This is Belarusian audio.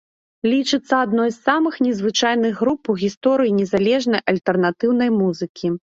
Лічыцца адной з самых незвычайных груп у гісторыі незалежнай альтэрнатыўнай музыкі.